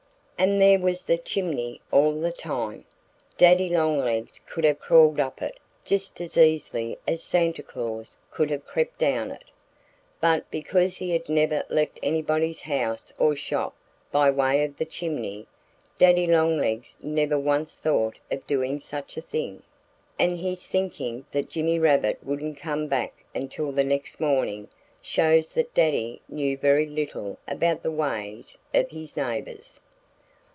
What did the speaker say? And there was the chimney all the time! Daddy Longlegs could have crawled up it just as easily as Santa Claus could have crept down it! But because he had never left anybody's house or shop by way of the chimney, Daddy Longlegs never once thought of doing such a thing. And his thinking that Jimmy Rabbit wouldn't come back until the next morning shows that Daddy knew very little about the ways of his neighbors.